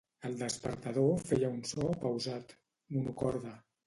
El despertador feia un so pausat, monocorde.